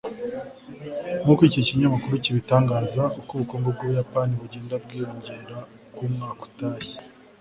Nkuko iki kinyamakuru kibitangaza uko ubukungu bwUbuyapani bugenda bwiyongera uko umwaka utashye